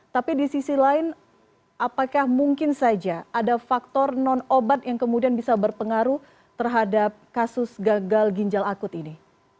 tapi di sisi lain apakah mungkin saja ada faktor non obat yang kemudian bisa berpengaruh terhadap kasus gagal ginjal akut ini